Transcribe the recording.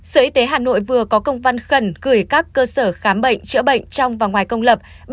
sở y tế hà nội vừa có công văn khẩn gửi các cơ sở khám bệnh chữa bệnh trong và ngoài công lập